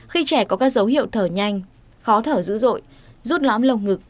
khi trẻ có các dấu hiệu thở nhanh khó thở dữ dội rút lõm lồng ngực